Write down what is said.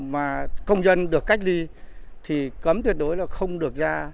mà công dân được cách ly thì cấm tuyệt đối là không được ra